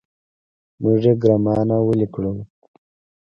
موږ يې ګرمانه ولې ورکړو.